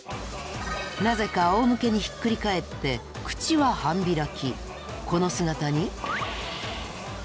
なぜかあおむけにひっくり返って口は半開き。